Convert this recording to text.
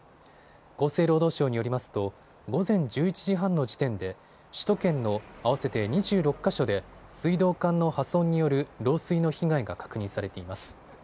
厚生労働省によりますと午前１１時半の時点で首都圏の合わせて２６か所で水道管の破損による漏水の被害が確認されています。